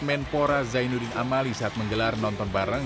menpora zainuddin amali saat menggelar nonton bareng